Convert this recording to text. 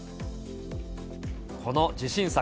この自信作。